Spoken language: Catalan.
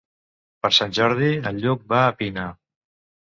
Per Sant Jordi en Lluc va a Pina.